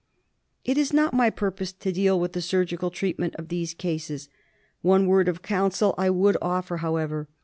It is not my purpose to deal with the surgical treat ment of these cases. One word of counsel I would offer,, however.